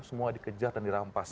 semua dikejar dan dirampas